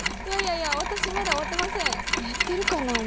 いやいやいや私まだ終わってません。